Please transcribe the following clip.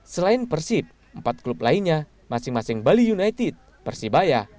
selain persib empat klub lainnya masing masing bali united persebaya